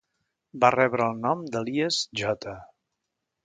Va rebre el nom d'Elias J.